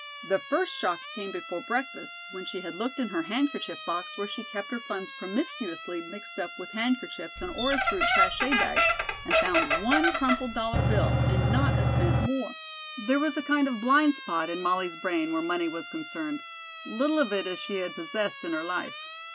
The first shock came before breakfast when she had looked in her handkerchief box where she kept her funds promiscuously mixed up with handkerchiefs and orris root sachet bags and found one crumpled dollar bill and not a cent more. There was a kind of blind spot in Molly's brain where money was concerned, little of it as she had possessed in her life.